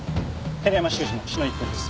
寺山修司の詩の一編です。